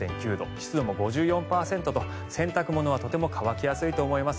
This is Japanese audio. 湿度も５４％と洗濯物はとても乾きやすいと思います。